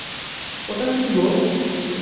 ওটা কী গো?